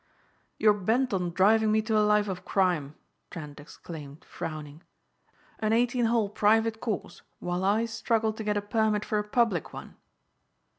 "You're bent on driving me to a life of crime," Trent exclaimed frowning. "An eighteen hole private course while I struggle to get a permit for a public one!"